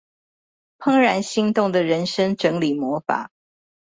怦然心動的人生整理魔法